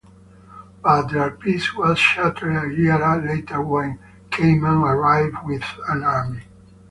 But their peace was shattered a year later when Khayman arrived with an army.